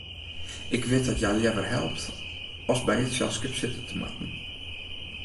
Ik wit dat hja leaver helpt as by it selskip sitte te moatten.